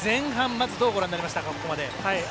まず、どうご覧になりましたか。